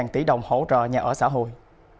một trăm hai mươi tỷ đồng hỗ trợ nhà ở xã hội